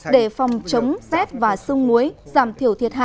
để phòng chống rét và sương muối giảm thiểu thiệt hại